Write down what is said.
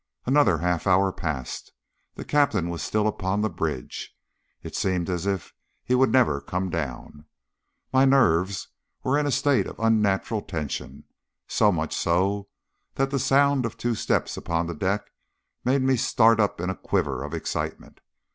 Another half hour passed. The Captain was still upon the bridge. It seemed as if he would never come down. My nerves were in a state of unnatural tension, so much so that the sound of two steps upon the deck made me start up in a quiver of excitement.